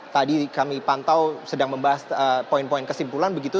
tadi kami pantau sedang membahas poin poin kesimpulan begitu